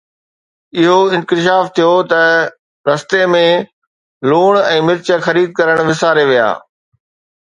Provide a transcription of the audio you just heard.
اهو انڪشاف ٿيو ته اهي رستي ۾ لوڻ ۽ مرچ خريد ڪرڻ وساري ويا